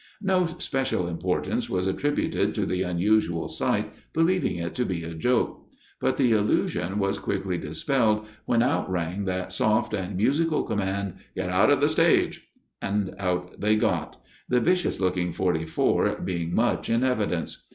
No especial importance was attributed to the unusual sight, believing it to be a joke. But the illusion was quickly dispelled when out rang that soft and musical command: "Get out of the stage," and out they got, the vicious looking "44" being much in evidence.